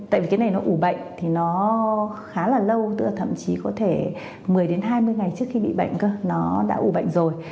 tại vì cái này nó ủ bệnh thì nó khá là lâu tức là thậm chí có thể một mươi hai mươi ngày trước khi bị bệnh cơ nó đã ủ bệnh rồi